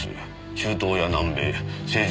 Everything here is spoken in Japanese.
中東や南米政情